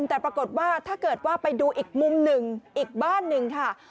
แต่ปรากฏว่าถ้าเกิดว่าไปดูอีกมุมหนึ่งอีกบ้านหนึ่งค่ะ